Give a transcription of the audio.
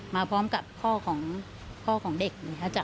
มาพร้อมกับพ่อของเด็ก